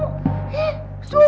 eh subur lagi